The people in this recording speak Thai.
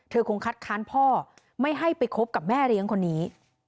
คงคัดค้านพ่อไม่ให้ไปคบกับแม่เลี้ยงคนนี้